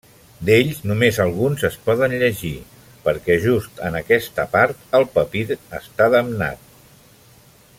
D'ells només alguns es poden llegir perquè just en aquesta part el papir està damnat.